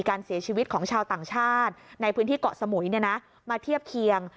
การเสียชีวิตของชาวต่างชาติในพื้นที่เกาะสมุยมาเทียบเคียง